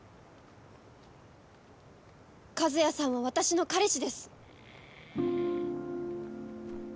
和也さんは私の彼氏です